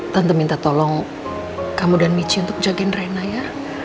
tante minta tolong kamu dan michi untuk jagain renayar